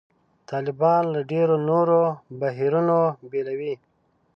طالبان له ډېرو نورو بهیرونو بېلوي.